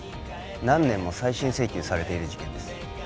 何年も再審請求されている事件です